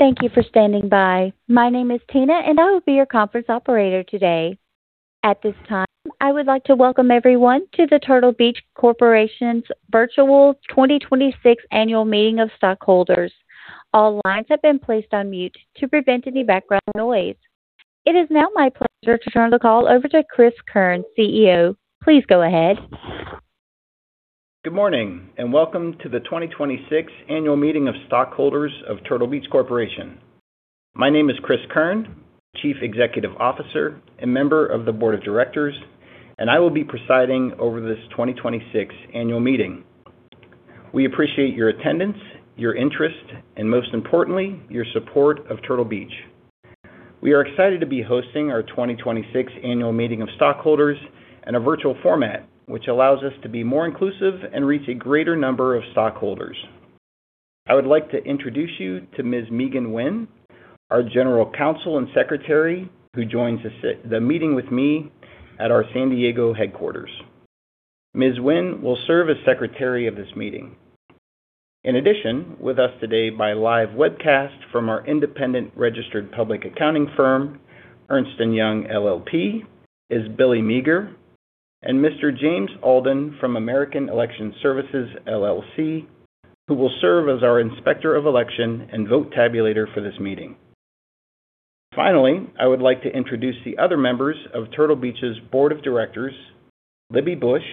Thank you for standing by. My name is Tina, and I will be your conference operator today. At this time, I would like to welcome everyone to the Turtle Beach Corporation's virtual 2026 Annual Meeting of Stockholders. All lines have been placed on mute to prevent any background noise. It is now my pleasure to turn the call over to Cris Keirn, CEO. Please go ahead. Good morning, welcome to the 2026 Annual Meeting of Stockholders of Turtle Beach Corporation. My name is Cris Keirn, Chief Executive Officer and member of the Board of Directors, and I will be presiding over this 2026 annual meeting. We appreciate your attendance, your interest, and most importantly, your support of Turtle Beach. We are excited to be hosting our 2026 Annual Meeting of Stockholders in a virtual format, which allows us to be more inclusive and reach a greater number of stockholders. I would like to introduce you to Ms. Megan Wynne, our General Counsel and Secretary, who joins the meeting with me at our San Diego headquarters. Ms. Wynne will serve as Secretary of this meeting. With us today by live webcast from our independent registered public accounting firm, Ernst & Young LLP, is Billy Meager and Mr. James Alden from American Election Services LLC, who will serve as our Inspector of Election and vote tabulator for this meeting. I would like to introduce the other members of Turtle Beach's Board of Directors, Libby Bush,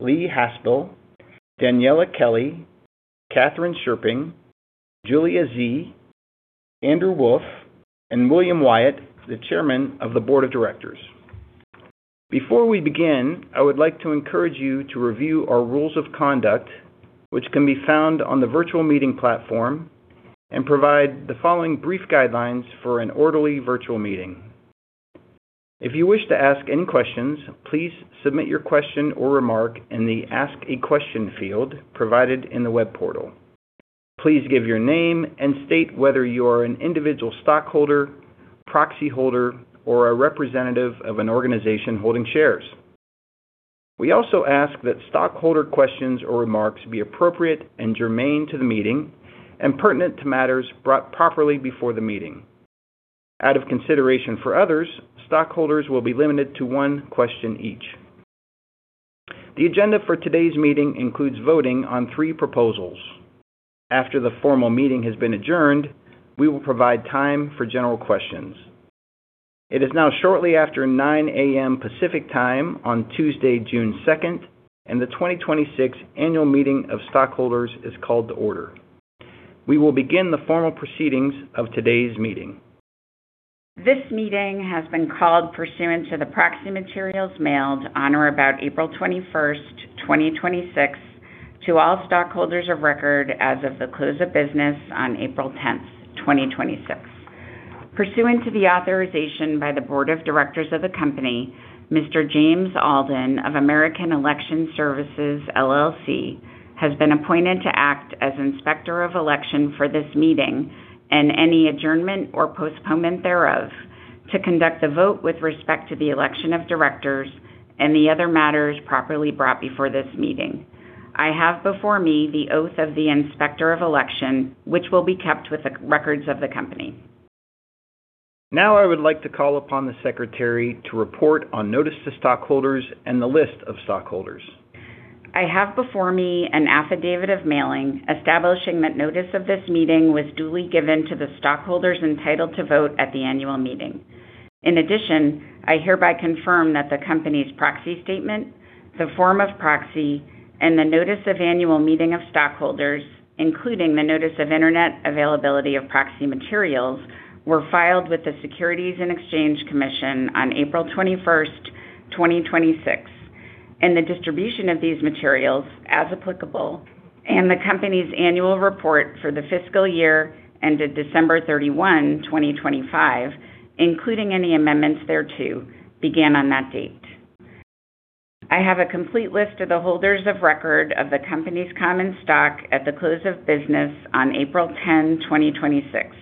Lee Haspel, Daniela Kelley, Katherine Scherping, Julia Sze, Andrew Wolfe, and William Wyatt, the Chairman of the Board of Directors. Before we begin, I would like to encourage you to review our rules of conduct, which can be found on the virtual meeting platform, and provide the following brief guidelines for an orderly virtual meeting. If you wish to ask any questions, please submit your question or remark in the Ask a Question field provided in the web portal. Please give your name and state whether you are an individual stockholder, proxy holder, or a representative of an organization holding shares. We also ask that stockholder questions or remarks be appropriate and germane to the meeting and pertinent to matters brought properly before the meeting. Out of consideration for others, stockholders will be limited to one question each. The agenda for today's meeting includes voting on three proposals. After the formal meeting has been adjourned, we will provide time for general questions. It is now shortly after 9:00 A.M. Pacific Time on Tuesday, June 2nd, the 2026 Annual Meeting of Stockholders is called to order. We will begin the formal proceedings of today's meeting. This meeting has been called pursuant to the proxy materials mailed on or about April 21st, 2026 to all stockholders of record as of the close of business on April 10th, 2026. Pursuant to the authorization by the board of directors of the company, Mr. James Alden of American Election Services, LLC has been appointed to act as Inspector of Election for this meeting and any adjournment or postponement thereof to conduct a vote with respect to the election of directors and the other matters properly brought before this meeting. I have before me the oath of the Inspector of Election, which will be kept with the records of the company. Now I would like to call upon the secretary to report on notice to stockholders and the list of stockholders. I have before me an affidavit of mailing establishing that notice of this meeting was duly given to the stockholders entitled to vote at the annual meeting. In addition, I hereby confirm that the company's Proxy Statement, the Form of Proxy, and the Notice of Annual Meeting of Stockholders, including the Notice of Internet Availability of Proxy Materials, were filed with the Securities and Exchange Commission on April 21st, 2026, and the distribution of these materials, as applicable, and the company's annual report for the fiscal year ended December 31, 2025, including any amendments thereto, began on that date. I have a complete list of the holders of record of the company's common stock at the close of business on April 10, 2026,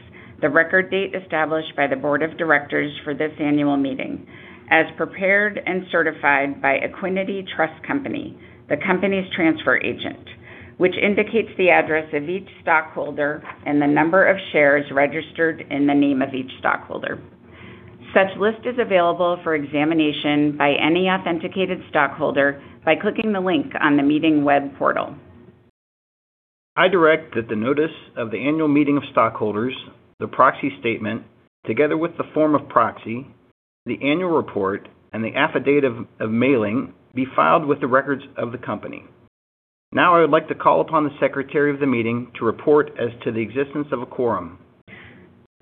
the record date established by the board of directors for this annual meeting, as prepared and certified by Equiniti Trust Company, the company's transfer agent, which indicates the address of each stockholder and the number of shares registered in the name of each stockholder. Such list is available for examination by any authenticated stockholder by clicking the link on the meeting web portal. I direct that the Notice of the Annual Meeting of Stockholders, the Proxy Statement, together with the Form of Proxy, the Annual Report, and the affidavit of mailing be filed with the records of the company. Now I would like to call upon the secretary of the meeting to report as to the existence of a quorum.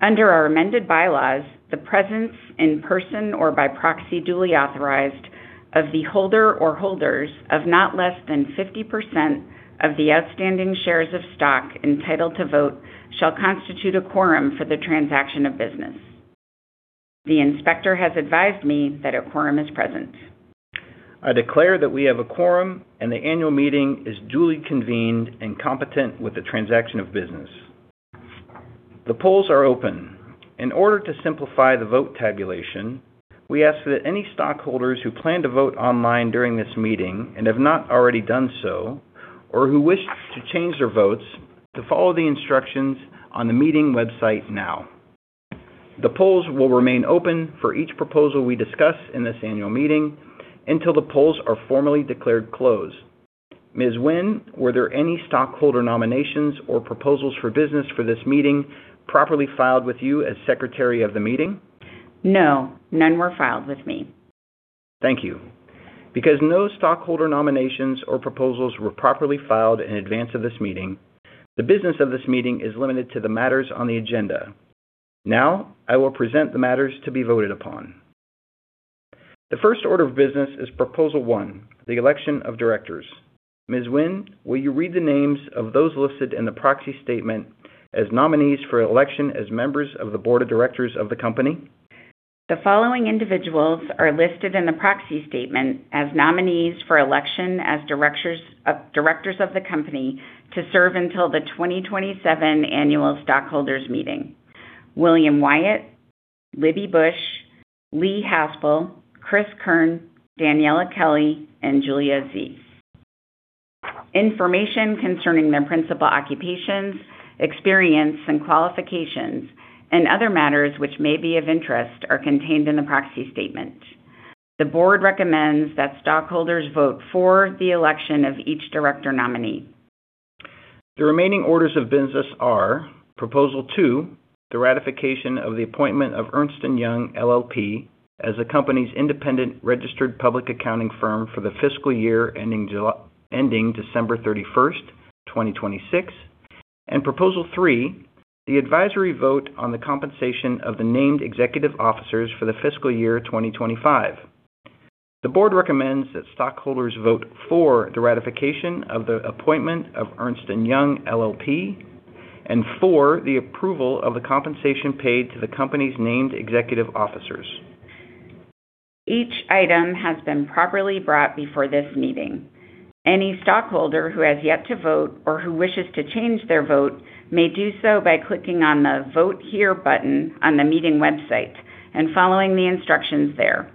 Under our amended bylaws, the presence in person or by proxy duly authorized of the holder or holders of not less than 50% of the outstanding shares of stock entitled to vote shall constitute a quorum for the transaction of business. The Inspector has advised me that a quorum is present. I declare that we have a quorum and the annual meeting is duly convened and competent with the transaction of business. The polls are open. In order to simplify the vote tabulation, we ask that any stockholders who plan to vote online during this meeting and have not already done so or who wish to change their votes to follow the instructions on the meeting website now. The polls will remain open for each proposal we discuss in this annual meeting until the polls are formally declared closed. Ms. Wynne, were there any stockholder nominations or proposals for business for this meeting properly filed with you as Secretary of the meeting? No. None were filed with me. Thank you. Because no stockholder nominations or proposals were properly filed in advance of this meeting, the business of this meeting is limited to the matters on the agenda. Now, I will present the matters to be voted upon. The first order of business is Proposal 1, the election of directors. Ms. Wynne, will you read the names of those listed in the Proxy Statement as nominees for election as members of the Board of Directors of the Company? The following individuals are listed in the Proxy Statement as nominees for election as directors of the company to serve until the 2027 annual stockholders meeting. William Wyatt, Libby Bush, Lee Haspel, Cris Keirn, Daniela Kelley, and Julia Sze. Information concerning their principal occupations, experience and qualifications, and other matters which may be of interest are contained in the Proxy Statement. The board recommends that stockholders vote for the election of each director nominee. The remaining orders of business are Proposal 2, the ratification of the appointment of Ernst & Young LLP as the company's independent registered public accounting firm for the fiscal year ending December 31st, 2026. Proposal 3, the advisory vote on the compensation of the named executive officers for the fiscal year 2025. The board recommends that stockholders vote for the ratification of the appointment of Ernst & Young LLP and for the approval of the compensation paid to the company's named executive officers. Each item has been properly brought before this meeting. Any stockholder who has yet to vote or who wishes to change their vote may do so by clicking on the Vote Here button on the meeting website and following the instructions there.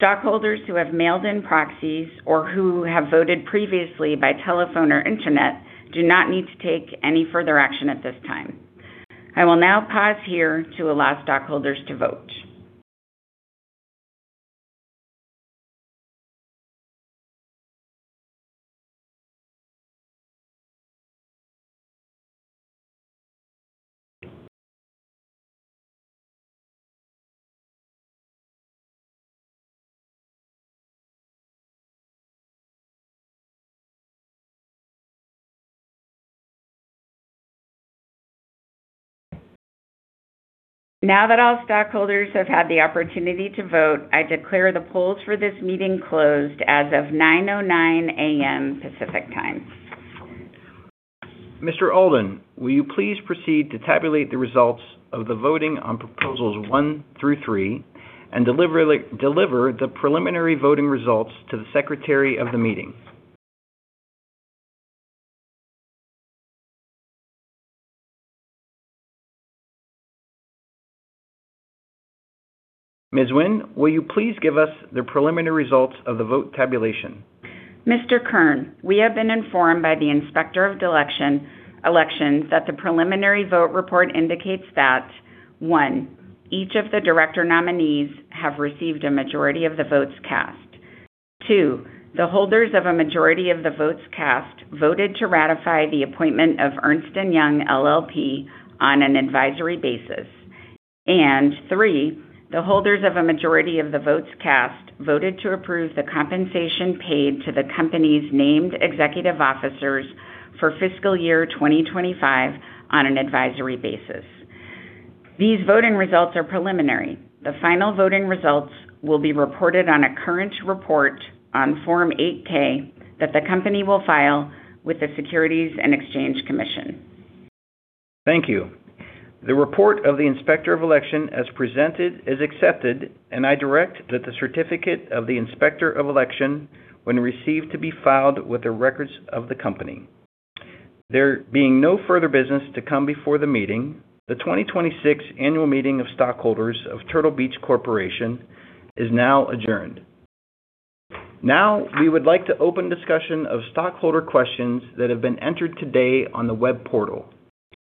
Stockholders who have mailed in proxies or who have voted previously by telephone or internet do not need to take any further action at this time. I will now pause here to allow stockholders to vote. Now that all stockholders have had the opportunity to vote, I declare the polls for this meeting closed as of 9:09 A.M. Pacific Time. Mr. Alden, will you please proceed to tabulate the results of the voting on Proposals one through three and deliver the preliminary voting results to the secretary of the meeting? Ms. Wynne, will you please give us the preliminary results of the vote tabulation? Mr. Keirn, we have been informed by the Inspector of Elections that the preliminary vote report indicates that, one, each of the director nominees have received a majority of the votes cast. Two, the holders of a majority of the votes cast voted to ratify the appointment of Ernst & Young LLP on an advisory basis. Three, the holders of a majority of the votes cast voted to approve the compensation paid to the company's named executive officers for fiscal year 2025 on an advisory basis. These voting results are preliminary. The final voting results will be reported on a current report on Form 8-K that the company will file with the Securities and Exchange Commission. Thank you. The report of the Inspector of Election as presented is accepted, and I direct that the certificate of the Inspector of Election, when received, to be filed with the records of the company. There being no further business to come before the meeting, the 2026 annual meeting of stockholders of Turtle Beach Corporation is now adjourned. Now, we would like to open discussion of stockholder questions that have been entered today on the web portal.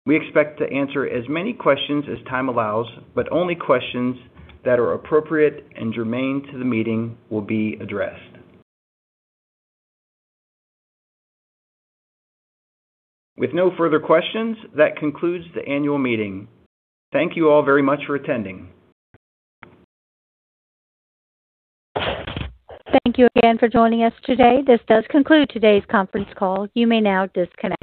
We expect to answer as many questions as time allows, but only questions that are appropriate and germane to the meeting will be addressed. With no further questions, that concludes the annual meeting. Thank you all very much for attending. Thank you again for joining us today. This does conclude today's conference call. You may now disconnect.